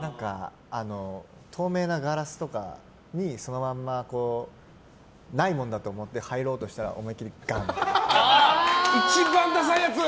透明なガラスとかに、そのままないものだと思って入ろうとしたら一番ダサいやつ！